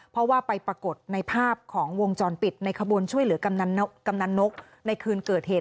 เพราะว่าไปปรากฏในภาพของวงจรปิดในขบวนช่วยเหลือกำนันนกในคืนเกิดเหตุ